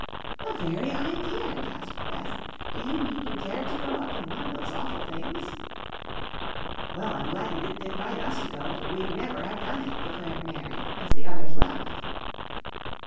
"The very idea," gasped Beth. "Do you mean you dared to go up in one of those awful things?" "Well, I'm glad you didn't invite us to go, for we'd never have done it," declared Mary, as the others laughed.